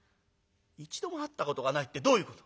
「一度も会ったことがないってどういうこと？」。